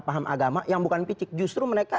paham agama yang bukan picik justru mereka